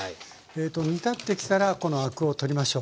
えと煮立ってきたらこのアクを取りましょう。